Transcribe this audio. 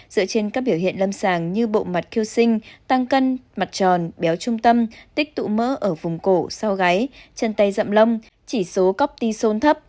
dựa trên các biểu hiện lâm sàng như bộ mặt cursing tăng cân mặt tròn béo trung tâm tích tụ mỡ ở vùng cổ sau gáy chân tay dậm lông chỉ số cốc ti sôn thấp